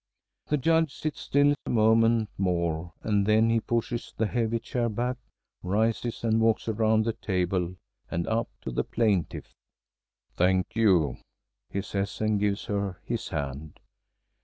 The Judge sits still a moment more, and then he pushes the heavy chair back, rises, and walks around the table and up to the plaintiff. "Thank you!" he says and gives her his hand.